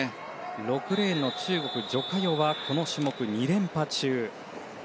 ６レーン、ジョ・カヨこの種目２連覇中。